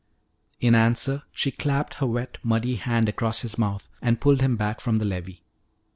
In answer she clapped her wet, muddy hand across his mouth and pulled him back from the levee.